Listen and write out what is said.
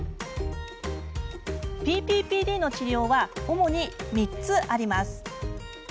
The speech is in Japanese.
ＰＰＰＤの治療は主に３つあります。